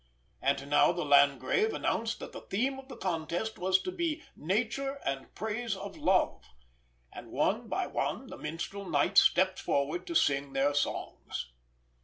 And now the Landgrave announced that the theme of the contest was to be Nature and Praise of Love; and one by one the minstrel knights stepped forward to sing their songs.